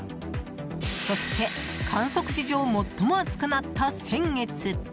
そして観測史上最も暑くなった先月。